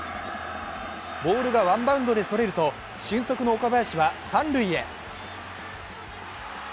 ボールがワンバウンドでそれると俊足の岡林は一気に三塁へ。